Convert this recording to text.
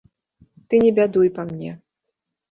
Ты не бядуй па мне.